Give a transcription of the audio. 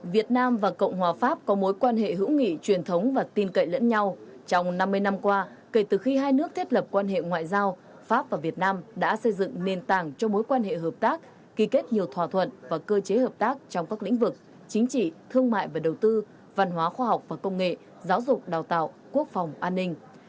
việt nam và cộng hòa pháp có mối quan hệ hữu nghị truyền thống và tin cậy lẫn nhau trong năm mươi năm qua kể từ khi hai nước thiết lập quan hệ ngoại giao pháp và việt nam đã xây dựng nền tảng cho mối quan hệ hợp tác ký kết nhiều thỏa thuận và cơ chế hợp tác trong các lĩnh vực chính trị thương mại và đầu tư văn hóa khoa học và công nghệ giáo dục đào tạo quốc phòng an ninh